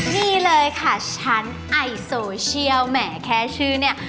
นี่เลยค่ะชั้นไอโซเชียลแหมแค่ชื่อเนี่ย